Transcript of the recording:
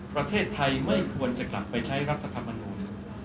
ประเทศไทยไม่ควรจะกลับไปใช้รัฐธรรมนูล